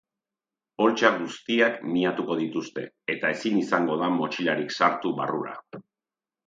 Poltsa guztiak miatuko dituzte, eta ezin izango da motxilarik sartu barrura.